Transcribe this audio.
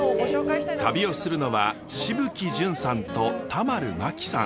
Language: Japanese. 旅をするのは紫吹淳さんと田丸麻紀さん。